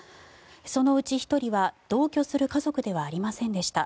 そのうち１人は同居する家族ではありませんでした。